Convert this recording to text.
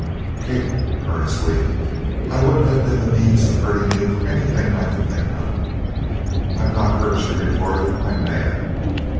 "Kate," earnestly, "I wouldn't have been the means of hurting you for anything I can think of." "I'm not hurt," she retorted, "I'm mad."